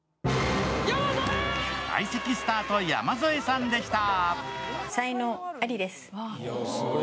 相席スタート・山添さんでした。